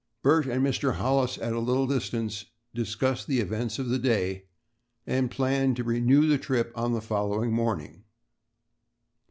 Bert and Mr. Hollis at a little distance discussed the events of the day and planned to renew the trip on the following morning.